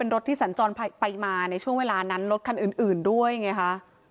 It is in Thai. รถที่สัญจรไปมาในช่วงเวลานั้นรถคันอื่นด้วยไงคะ